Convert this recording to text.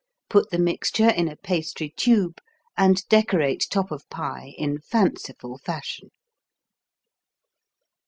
Put the mixture in a pastry tube and decorate top of pie in fanciful fashion.